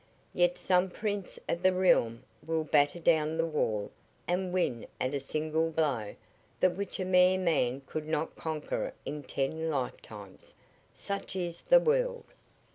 "Yet some prince of the realm will batter down the wall and win at a single blow that which a mere man could not conquer in ten lifetimes. Such is the world."